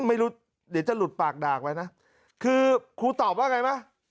ไม่รู้เดี๋ยวจะหลุดปากดากไว้นะคือครูตอบว่าไงไหม